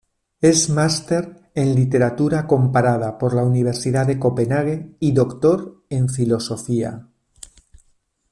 Es Máster en Literatura comparada por la Universidad de Copenhague y Doctor en Filosofía.